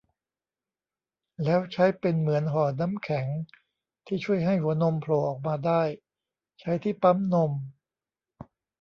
แล้วใช้เป็นเหมือนห่อน้ำแข็งที่ช่วยให้หัวนมโผล่ออกมาได้ ใช้ที่ปั๊มนม